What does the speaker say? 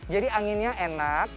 jadi anginnya enak